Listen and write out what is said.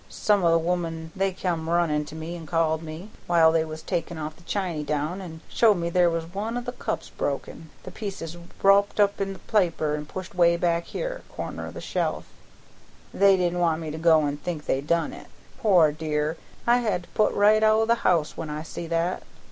Some o' the women they come runnin' to me an' called me, while they was takin' of the chiny down, an' showed me there was one o' the cups broke an' the pieces wropped in paper and pushed way back here, corner o' the shelf. They didn't want me to go an' think they done it. Poor dear! I had to put right out o' the house when I see that.